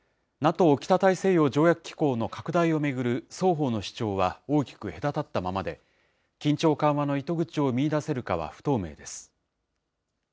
ＮＡＴＯ・北大西洋条約機構の拡大を巡る双方の主張は大きく隔たったままで、緊張緩和の糸口を見いだせるかは不透明です。